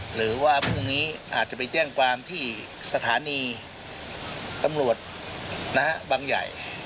หรือว่าพรุ่งนี้อาจจะไปแจ้งความที่สถานีตำรวจบังใหญ่